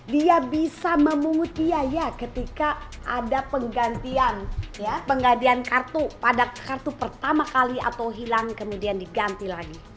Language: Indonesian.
dia bisa memungut biaya ketika ada penggantian kartu pada kartu pertama kali atau hilang kemudian diganti lagi